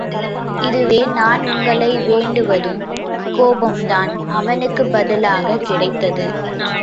இதுவே நான் உங்களை வேண்டுவதும்! கோபம்தான் அவனுக்குப் பதிலாகக் கிடைத்தது.